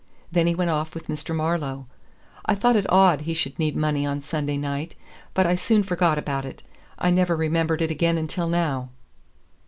Then he went off with Mr. Marlowe. I thought it odd he should need money on Sunday night, but I soon forgot about it. I never remembered it again until now."